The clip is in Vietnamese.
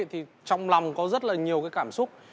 thì trong lòng có rất là nhiều cái cảm xúc